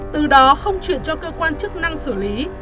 từ đó không chuyển cho cơ quan chức năng xử lý